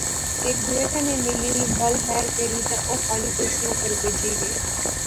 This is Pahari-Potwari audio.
ہیک دوئے کنے ملی، بل خیر کری تے او خالی کرسئِں اوپر بیجی گئے